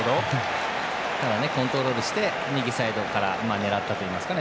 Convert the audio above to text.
ただ、コントロールして右サイドから狙ったというか。